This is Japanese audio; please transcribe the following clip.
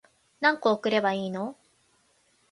何個送ればいいの